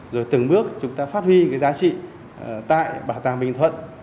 rồi từng bước chúng ta phát huy cái giá trị tại bảo tàng bình thuận